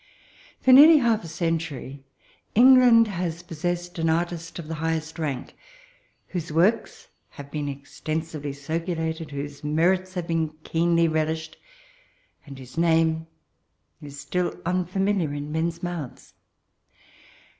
Fob nearly half a oentnnr England has poflsesaed an artist of the highest rank, whose works have been exten sively circulated, whose merits hare been keenly relished, and whoee name is still nnfamiliar in men's months.